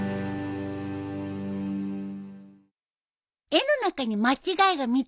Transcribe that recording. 絵の中に間違いが３つあるよ。